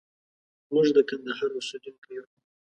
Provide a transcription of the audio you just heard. موږ د کندهار اوسېدونکي يو.